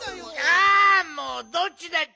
あもうどっちだっちゃ！